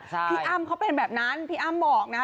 พี่อ้ำเขาเป็นแบบนั้นพี่อ้ำบอกนะ